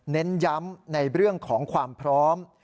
เน้นย้ำในเรื่องของความพร้อม